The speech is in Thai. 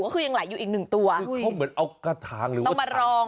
ก็คือยังไหลอยู่อีกหนึ่งตัวคือเขาเหมือนเอากระถางหรือเปล่าต้องมารอง